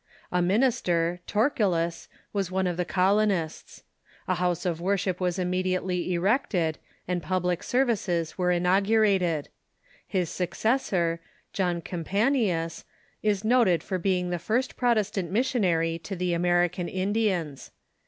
A minister, Torkillus, was one of the colonists. A house of worship was immediately erected, and public services were inaugurated. His successor, John Campanius, is noted for being the first Prot TUE LUTHERAN CHURCH 521 estant missionary to the American Indians.